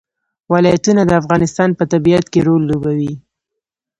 ولایتونه د افغانستان په طبیعت کې رول لوبوي.